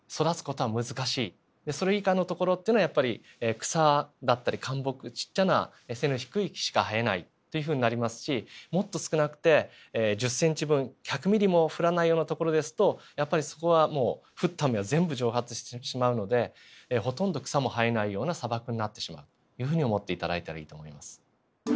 それ以下の所っていうのはやっぱり草だったり灌木ちっちゃな背の低い木しか生えないというふうになりますしもっと少なくて１０センチ分１００ミリも降らないような所ですとやっぱりそこはもう降った雨は全部蒸発してしまうのでほとんど草も生えないような砂漠になってしまうというふうに思って頂いたらいいと思います。